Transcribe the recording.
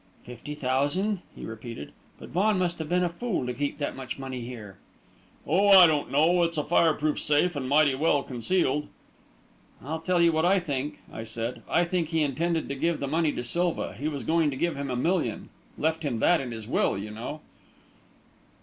"Fifty thousand?" he repeated. "But Vaughan must have been a fool to keep that much money here." "Oh, I don't know. It's a fireproof safe, and mighty well concealed." "I'll tell you what I think," I said; "I think he intended to give the money to Silva. He was going to give him a million left him that in his will, you know."